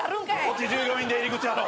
こっち従業員出入り口やろ。